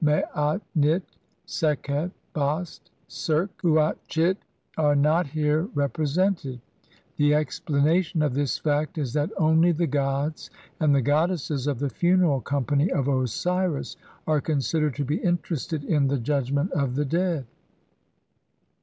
Maat, Nit, Sekhet, Bast, Serq, Uatchit, 1 are not here represent ed ; the explanation of this fact is that only the gods and the goddesses of the funeral company of Osiris are considered to be interested in the judgment of the dead.